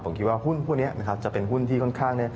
ผมคิดว่าหุ้นพวกนี้นะครับจะเป็นหุ้นที่ค่อนข้าง